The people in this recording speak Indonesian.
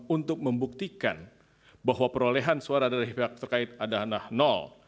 untuk membuktikan bahwa perolehan suara dari pihak terkait adalah nol